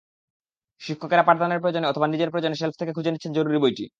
শিক্ষকেরা পাঠদানের প্রয়োজনে অথবা নিজের প্রয়োজনে শেলফ থেকে খুঁজে নিচ্ছেন জরুরি বইটি।